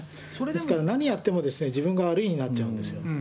ですから何やっても、自分が悪いとなっちゃうんですよ。